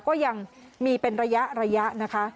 ก็ยังมีเป็นระยะนะคะ